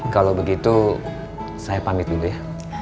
kalau begitu saya pamit dulu ya